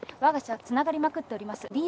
わが社はつながりまくっております。